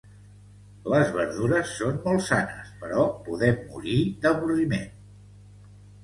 Les verdures són molt sanes, però podem morir d'avorriment.